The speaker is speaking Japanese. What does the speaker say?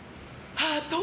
ハート！